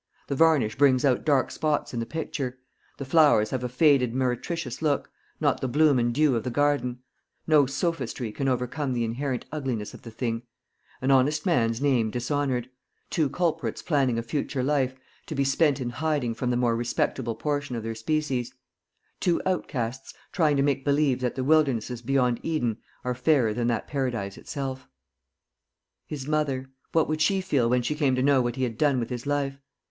The varnish brings out dark spots in the picture; the flowers have a faded meretricious look, not the bloom and dew of the garden; no sophistry can overcome the inherent ugliness of the thing an honest man's name dishonoured; two culprits planning a future life, to be spent in hiding from the more respectable portion of their species; two outcasts, trying to make believe that the wildernesses beyond Eden are fairer than that paradise itself. His mother what would she feel when she came to know what he had done with his life?